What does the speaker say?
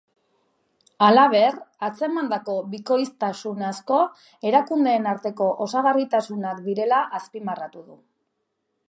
Halaber, atzemandako bikoiztasun asko, erakundeen arteko osagarritasunak direla azpimarratu du.